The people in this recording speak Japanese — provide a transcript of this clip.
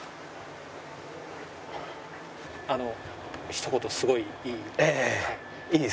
ひと言すごい「いい」。